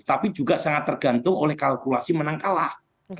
tapi juga sangat tergantung oleh kalkulasi menang kalah